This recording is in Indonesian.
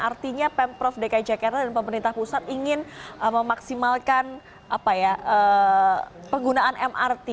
artinya pemprov dki jakarta dan pemerintah pusat ingin memaksimalkan penggunaan mrt